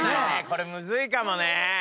これムズいかもね。